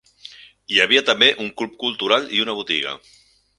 Hi havia també un club cultural i una botiga.